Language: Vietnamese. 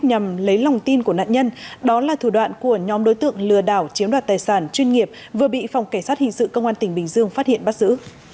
nhằm lấy lòng tin của nạn nhân đó là thủ đoạn của nhóm đối tượng lừa đảo chiếm đoạt tài sản chuyên nghiệp vừa bị phòng cảnh sát hình sự công an tỉnh bình dương phát hiện bắt giữ